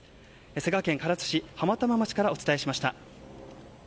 佐賀県唐津市浜玉町からお伝えしました。